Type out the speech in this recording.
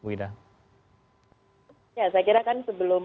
ya saya kira kan sebelum